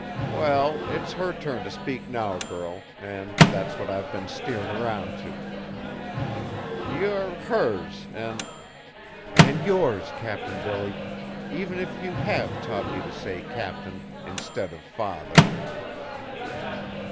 "Well, it's her turn t' speak now, girl, an' that's what I've been steerin' round t'. Ye're hers an' " "And yours, Cap'n Billy, even if you have taught me to say Captain, instead of Father."